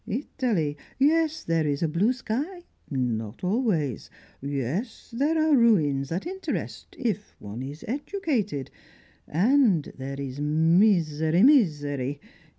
Italy? Yes, there is a blue sky not always. Yes, there are ruins that interest, if one is educated. And, there is misery, misery!